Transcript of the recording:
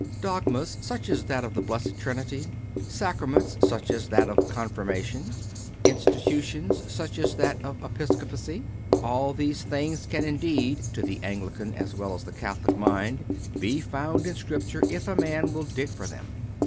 Dogmas such as that of the Blessed Trinity, sacraments such as that of Confirmation, institutions such as that of Episco pacy all these things can indeed, to the Anglican as well as the Catholic mind, be found in Scripture if a man will dig for them.